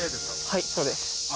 はいそうです